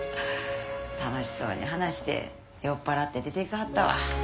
楽しそうに話して酔っ払って出ていかはったわ。